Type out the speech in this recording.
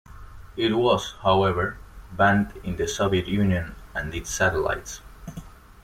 It was, however, banned in the Soviet Union and its satellites.